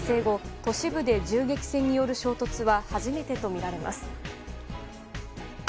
都市部で銃撃戦による衝突は初めてとみられます。